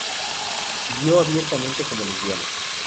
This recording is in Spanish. Vivió abiertamente como lesbiana.